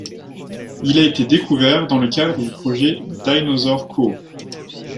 Il a été découvert dans le cadre du projet Dinosaur Cove.